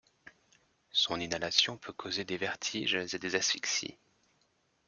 Son inhalation peut causer des vertiges et des asphyxies.